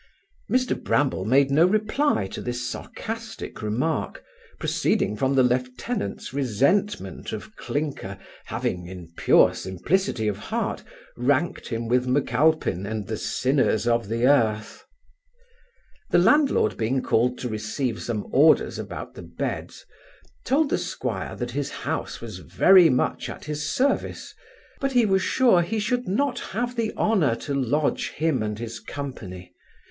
Mr Bramble made no reply to this sarcastic remark, proceeding from the lieutenant's resentment of Clinker having, in pure simplicity of heart, ranked him with M'Alpine and the sinners of the earth The landlord being called to receive some orders about the beds, told the 'squire that his house was very much at his service, but he was sure he should not have the honour to lodge him and his company.